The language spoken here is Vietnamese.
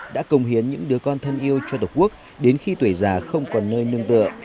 đã công hiến những đứa con thân yêu cho tổ quốc đến khi tuổi già không còn nơi nương tựa